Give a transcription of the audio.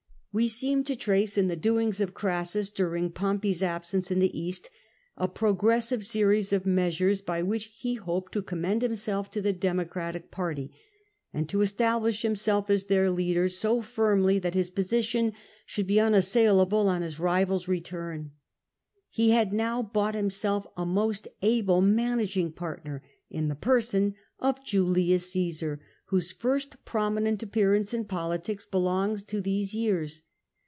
We seem to trace in the doings of Crassus during Pom pey's absence in the East a progressive series of measures, by which he hoped to commend himself to the Democratic party, and to establish himself as their leader so firmly i8o CEASSUS that his position should be unassailable on his rivar® return. He had now bought himself a most able manag ing partner in the person of Julius Caesar, whose first prominent appearance in politics belongs to these years.